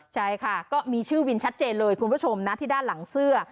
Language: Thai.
ใช่ค่ะก็มีชื่อวินชัดเจนเลยคุณผู้ชมนะที่ด้านหลังเสื้อ